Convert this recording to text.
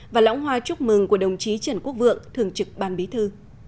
và lãng hoa chúc mừng của đồng chí trần quốc vượng thường trực ban bí thư